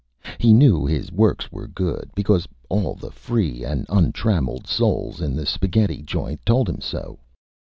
He knew his Works were good, because all the Free and Untrammeled Souls in the Spaghetti Joint told him so.